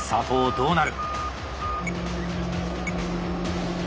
どうなる。